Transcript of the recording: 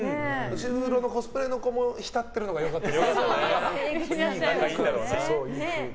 後ろのコスプレの子も浸ってるのが良かったですね。